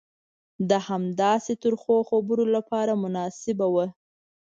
د همداسې ترخو خبرو لپاره مناسبه وه.